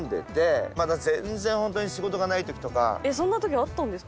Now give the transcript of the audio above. まだ全然本当に仕事がない時とか。